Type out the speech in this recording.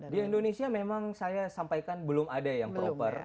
di indonesia memang saya sampaikan belum ada yang proper